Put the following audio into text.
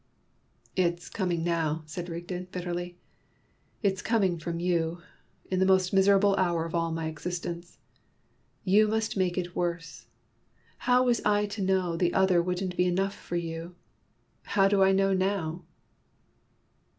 "It's coming now," said Rigden, bitterly; "it's coming from you, in the most miserable hour of all my existence; you must make it worse! How was I to know the other wouldn't be enough for you? How do I know now?"